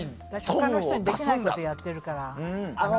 他の人にできないことをやってるからね。